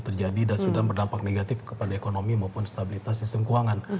terjadi dan sudah berdampak negatif kepada ekonomi maupun stabilitas sistem keuangan